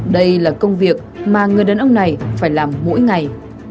đây là công việc mà người đàn ông này phải làm mỗi ngày